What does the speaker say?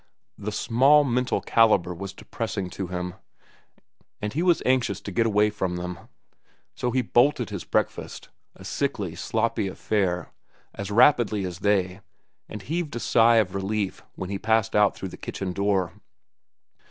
Their small mental caliber was depressing to him, and he was anxious to get away from them. So he bolted his breakfast, a sickly, sloppy affair, as rapidly as they, and heaved a sigh of relief when he passed out through the kitchen door.